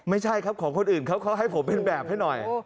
ไม่ใช่ครับของคนอื่นเขาให้ผมเป็นแบบให้หน่อย